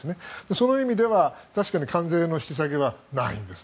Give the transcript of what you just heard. その意味では確かに関税の引き下げはないんです。